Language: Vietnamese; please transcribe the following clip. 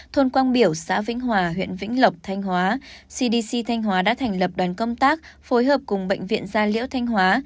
thôn quang biểu xã vĩnh hòa huyện vĩnh lộc thanh hóa cdc thanh hóa đã thành lập đoàn công tác phối hợp cùng bệnh viện gia liễu thanh hóa